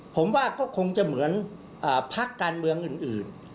ผมว่าก็คงจะเหมือนพักการเมืองอื่น